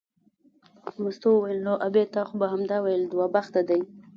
مستو وویل نو ابۍ تا خو به همدا ویل دوه بخته دی.